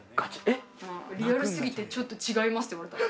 「リアルすぎてちょっと違います」って言われた。